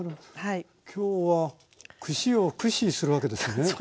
今日は串を駆使するわけですね？